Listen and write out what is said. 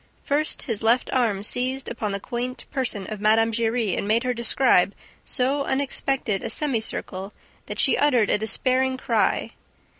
First, his left arm seized upon the quaint person of Mme. Giry and made her describe so unexpected a semicircle that she uttered a despairing cry.